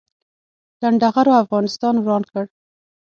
لنډغرو افغانستان وران کړ